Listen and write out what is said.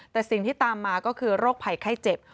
แต่สิ่งที่ตามมาก็คือโรคภัยไข้เจ็บ